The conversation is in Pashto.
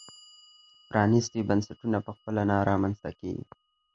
پرانیستي بنسټونه په خپله نه رامنځته کېږي.